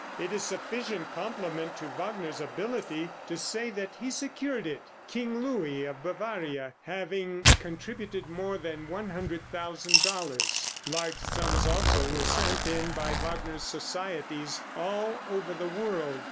It is sufficient compliment to Wagner's ability to say that he secured it, King Louis, of Bavaria, having contributed more than $100,000. Large sums also were sent in by Wagner societies all over the world.